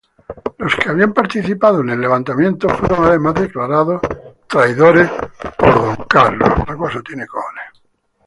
Los que habían participado en el levantamiento fueron además declarados traidores por Don Carlos.